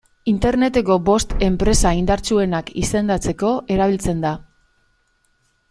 Interneteko bost enpresa indartsuenak izendatzeko erabiltzen da.